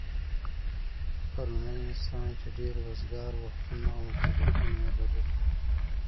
پرونی انسان چې ډېر وزگار وختونه او مصروفيتونه يې لرل